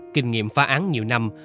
kinh nghiệm phá án nhiều năm